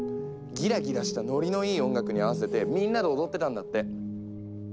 ギラギラしたノリのいい音楽に合わせてみんなで踊ってたんだって。